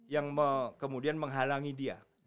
yang kemudian menghalangi dia